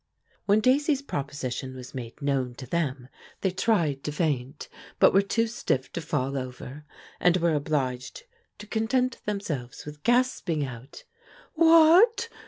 When Daisy's proposition was made known to them they tried to faint, but were too stiff to fall over, and were obliged to content themselves with gasping out: "What!